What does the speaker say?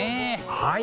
はい。